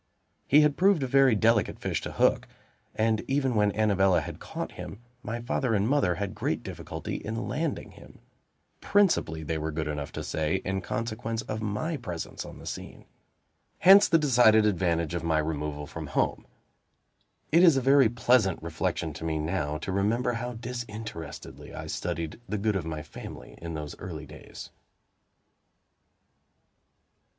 He had proved a very delicate fish to hook; and, even when Annabella had caught him, my father and mother had great difficulty in landing him principally, they were good enough to say, in consequence of my presence on the scene. Hence the decided advantage of my removal from home. It is a very pleasant reflection to me, now, to remember how disinterestedly I studied the good of my family in those early days.